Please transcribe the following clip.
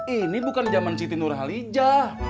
ini bukan zaman siti nurhalija